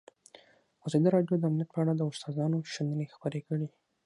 ازادي راډیو د امنیت په اړه د استادانو شننې خپرې کړي.